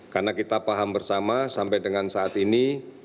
karena kita paham bersama sampai dengan saat ini